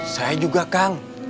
saya juga kang